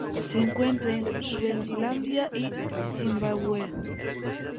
Se encuentra en Suazilandia y Zimbabue.